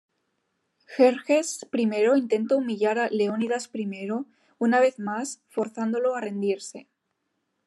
Jerjes I intenta humillar a Leónidas I una vez más forzándolo a rendirse.